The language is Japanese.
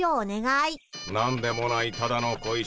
「何でもないただの小石」